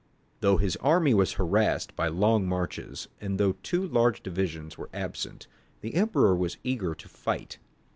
Though his army was harassed by long marches, and though two large divisions were absent, the Emperor was eager to fight.